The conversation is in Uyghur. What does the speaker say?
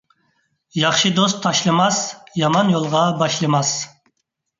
ياخشى دوست تاشلىماس، يامان يولغا باشلىماس.